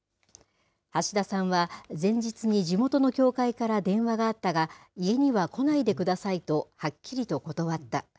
橋田さんは前日に地元の教会から電話があったが、家には来ないでくださいとはっきりと断った。